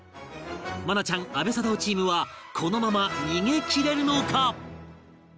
愛菜ちゃん阿部サダヲチームはこのまま逃げ切れるのか？